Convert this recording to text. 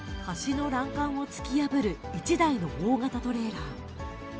橋の欄干を突き破る一台の大型トレーラー。